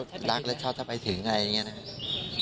ถ้าเขารักแล้วชอบจะไปถึงอะไรอย่างนี้นะครับ